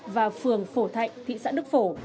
và phường phổ thạnh thị xã đức phổ